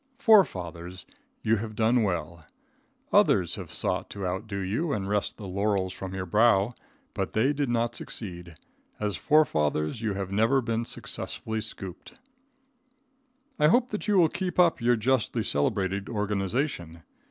Forefathers; you have done well. Others have sought to outdo you and wrest the laurels from your brow, but they did not succeed. As forefathers you have never been successfully scooped. I hope that you will keep up your justly celebrated organization.